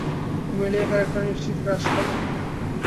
Emilia ক্যারেক্টারে নিশ্চিত crush খাবেন।